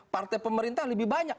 partai pemerintah lebih banyak